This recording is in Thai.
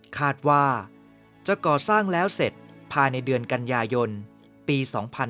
คาดว่าจะก่อสร้างแล้วเสร็จภายในเดือนกันยายนปี๒๕๕๙